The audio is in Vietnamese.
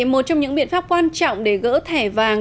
một trong những biện pháp quan trọng để gỡ thẻ vàng